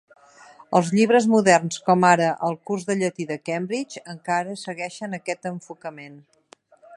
Els llibres moderns, com ara el "Curs de llatí de Cambridge", encara segueixen aquest enfocament.